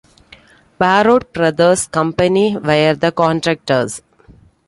Parrott Brothers Company were the contractors.